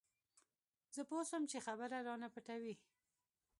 زه پوه سوم چې خبره رانه پټوي.